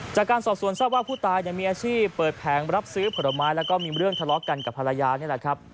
จากการสอบสวนทราบว่าผู้ตายมีอาชีพเปิดแผงรับซื้อผลไม้แล้วก็มีเรื่องทะเลาะกันกับภรรยานี่แหละครับ